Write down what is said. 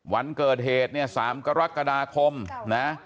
วันเกิดเหตุเนี่ย๓กรกฎาคมนะ